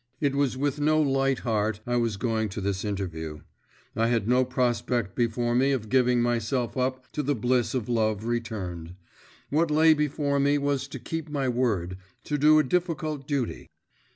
It was with no light heart I was going to this interview; I had no prospect before me of giving myself up to the bliss of love returned; what lay before me was to keep my word, to do a difficult duty.